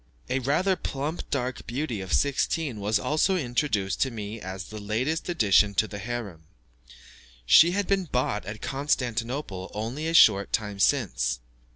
A rather plump dark beauty of sixteen was also introduced to me as the latest addition to the harem. She had been bought at Constantinople only a short time since.